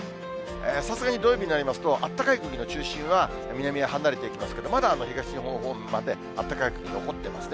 さすがに土曜日になりますと、あったかい空気の中心は、南へ離れていきますけど、まだ東日本方面まであったかい空気、残ってますね。